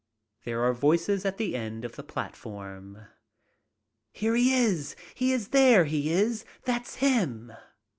There are voices at the end of the platform. "Here he is. He is there, he is. That's him."